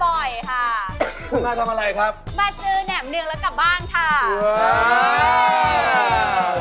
มาเจอแหน่มเนืองแล้วกลับบ้าน